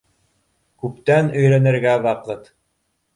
Күптән өйрәнергә ваҡыт.